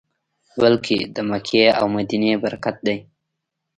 بلکې د مکې او مدینې برکت دی.